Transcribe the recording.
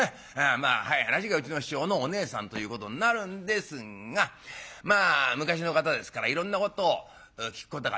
まあ早い話がうちの師匠のおねえさんということになるんですがまあ昔の方ですからいろんなことを聞くことができる。